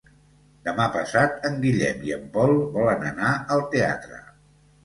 Demà passat en Guillem i en Pol volen anar al teatre.